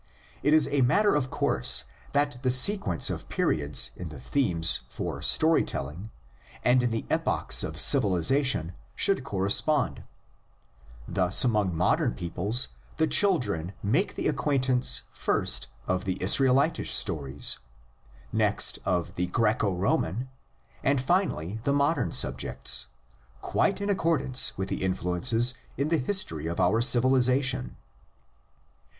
It is a matter of course that the sequence of periods in the themes for story telling and in the epochs of civilisation should correspond; thus among modern peoples the children make the acquaintance first of the Israelitish stories, next of the Graeco Roman, and finally the modern subjects, quite in accordance with the influences in the his tory of our civilisation.